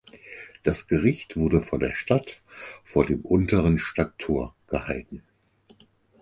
Das Gericht wurde vor der Stadt vor dem unteren Stadttor gehalten.